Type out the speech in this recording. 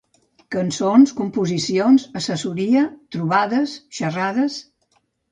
Cançons, composicions, assessoria, trobades, xerrades.